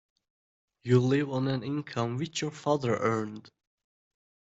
You live on an income which your father earned.